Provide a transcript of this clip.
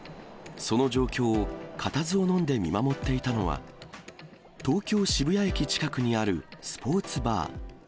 その状況を固唾をのんで見守っていたのは、東京・渋谷駅近くにあるスポーツバー。